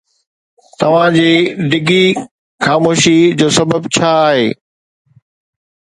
توهان جي ڊگهي خاموشي جو سبب ڇا آهي؟